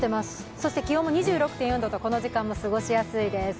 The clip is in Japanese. そして気温も２６．４度とこの時間も過ごしやすいです。